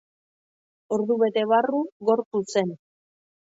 Ordubete barru gorpu zen.